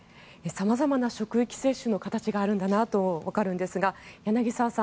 様々な職域接種の形があるんだなとわかるんですが柳澤さん